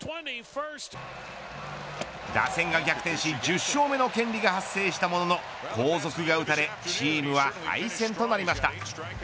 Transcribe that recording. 打線が逆転し１０勝目の権利が発生したものの後続が打たれチームは敗戦となりました。